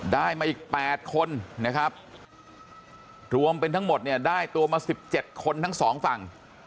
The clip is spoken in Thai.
ได้มาอีก๘คนนะครับรวมเป็นทั้งหมดเนี่ยได้ตัวมา๑๗คนทั้งสองฝั่ง